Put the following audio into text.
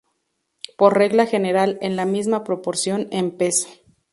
Por regla general en la misma proporción en peso.